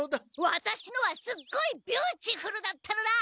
ワタシのはすっごいビューチフルだったのだ！